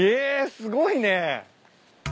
すごいね。